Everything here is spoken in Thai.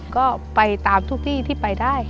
ก็ไปตามทุกที่ที่ไปได้